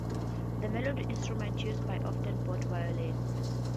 The melody instruments used are often both violins.